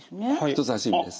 人さし指です。